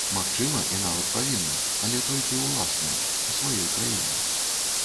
Магчыма і нават павінна, але толькі ў ўласныя, у сваёй краіне.